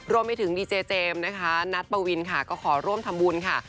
รวมไปถึงดีเจเจมส์นะคะนัทปวินค่ะก็ขอร่วมทำบุญค่ะ